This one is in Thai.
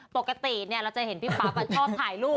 ปกติเราจะเห็นพี่ปั๊บชอบถ่ายรูป